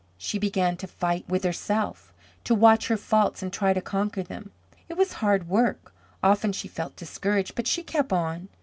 She began to fight with herself, to watch her faults and try to conquer them. It was hard work; often she felt discouraged, but she kept on.